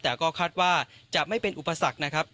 แต่ก็คาดว่าจะไม่เป็นอุปสรรคนะครับ